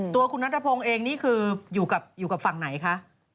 ตัวคุณนัทพงศ์เองนี่คืออยู่กับฝั่งไหนคะ